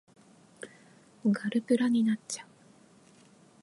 ガルプラになっちゃう